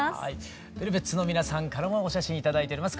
ＶＥＬＶＥＴＳの皆さんからもお写真頂いております。